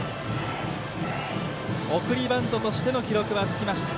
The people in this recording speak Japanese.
送りバントとしての記録はつきました。